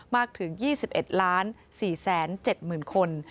มากถึง๒๑๔๗๐๐คน